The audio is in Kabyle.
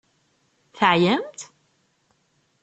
Teɛyamt?